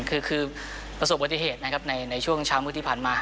คือประสบปฏิเหตุนะครับในช่วงเช้ามืดที่ผ่านมา